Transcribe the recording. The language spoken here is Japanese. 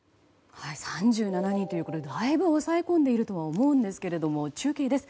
３７人ということでだいぶ抑え込んでいるとは思うんですけれども中継です。